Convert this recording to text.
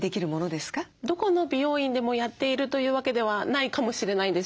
どこの美容院でもやっているという訳ではないかもしれないんですよ。